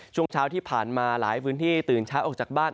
ช่วงเช้าที่ผ่านมาหลายพื้นที่ตื่นเช้าออกจากบ้าน